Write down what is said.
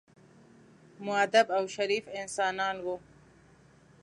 مودب او شریف انسانان وو.